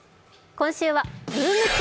今週は、「ブーム中！